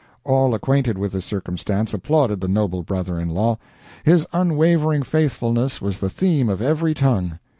All acquainted with the circumstance applauded the noble brother in law. His unwavering faithfulness was the theme of every tongue.